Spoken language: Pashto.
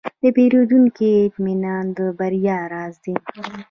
د پیرودونکو اطمینان د بریا راز دی.